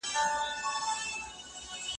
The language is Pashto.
ولي کورني شرکتونه طبي درمل له ایران څخه واردوي؟